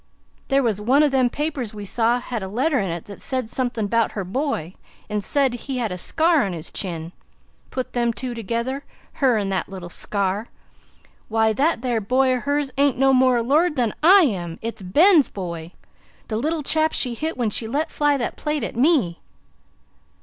There was one o' them papers we saw had a letter in it that said somethin' 'bout her boy, an' it said he had a scar on his chin. Put them two together her 'n' that there scar! Why, that there boy o' hers aint no more a lord than I am! It's BEN'S boy, the little chap she hit when she let fly that plate at me."